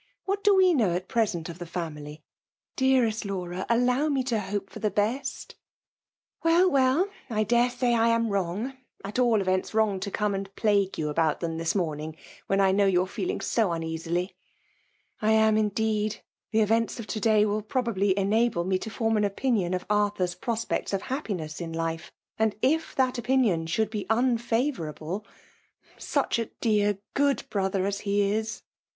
What do we know at present of the faiii9y? Dearest Laura! aflow me to hope for the best !" ^"WeHyWdl ^I dare say I am wrong J at all ^i^vcnto wtbn^ ia eoibe and. plague you abo«tt fUea^'fiiiil vdomuig, when I know yovt^fedr ing so uneasily.^ 210 FEMALE DOMlKATlOlf. *' I am, indeed. The events of to*daj i^ probably enable me to form an opinion of Arthur's prospects of happiness in life ; fltad, if that opinion should be unfavourable !— saeh a dear good brother as he is